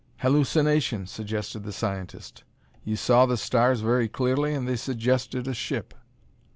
"Hallucination," suggested the scientist. "You saw the stars very clearly, and they suggested a ship."